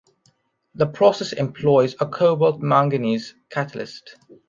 The process employs a cobalt-manganese catalyst.